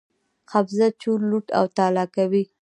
قبضه، چور، لوټ او تالا کوي.